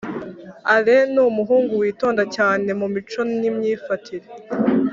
Alain numuhungu witonda cyane mumico nimyifatire